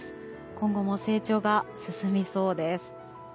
今後も成長が進みそうです。